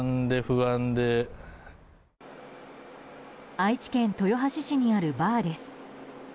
愛知県豊橋市にあるバーです。